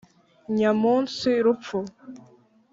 nyamunsi: rupfu